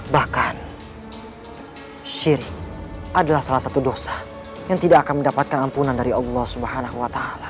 bahkan syir adalah salah satu dosa yang tidak akan mendapatkan ampunan dari allah swt